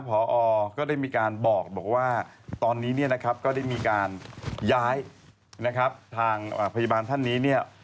พอก็ได้มีการบอกว่าตอนนี้เนี่ยนะครับก็ได้มีการย้ายนะครับทางพยาบาลท่านนี้เนี่ย